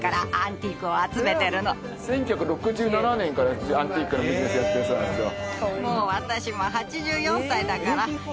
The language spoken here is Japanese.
１９６７年からアンティークのビジネスやってるそうなんですよ